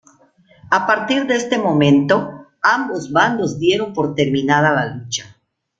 A partir de este momento, ambos bandos dieron por terminada la lucha.